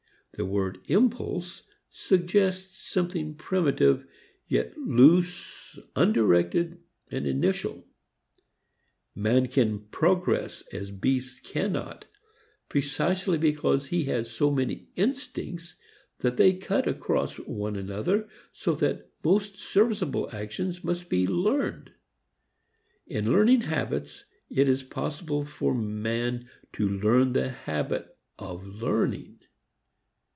The word impulse suggests something primitive, yet loose, undirected, initial. Man can progress as beasts cannot, precisely because he has so many 'instincts' that they cut across one another, so that most serviceable actions must be learned. In learning habits it is possible for man to learn the habit of learning.